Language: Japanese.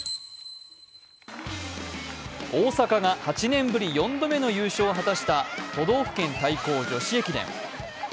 大阪が８年ぶり４度目の優勝を果たした都道府県対抗女子駅伝。